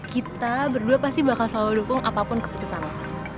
kita berdua pasti bakal selalu dukung apapun keputusan lo